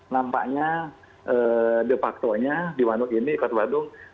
nampaknya de facto nya di bandung ini di ketua bandung